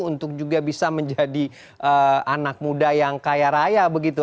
untuk juga bisa menjadi anak muda yang kaya raya begitu